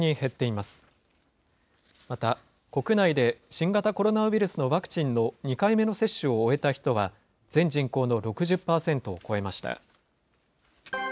また国内で新型コロナウイルスのワクチンの２回目の接種を終えた人は、全人口の６０％を超えました。